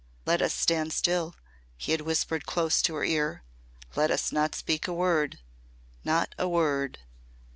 "Let us stand still," he had whispered close to her ear. "Let us not speak a word not a word.